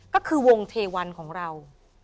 ก็คือวงเทวันของเรา